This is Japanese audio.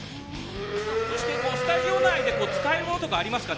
そしてスタジオ内で使えるものとかありますか？